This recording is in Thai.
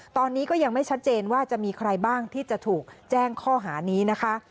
ตอนนี้ก็ยังไม่ชัดเจนว่าจะมีใครบ้างที่จะถูกแจ้งข้อหานี้นะคะ